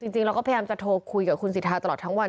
จริงเราก็พยายามจะโทรคุยกับคุณสิทธาตลอดทั้งวัน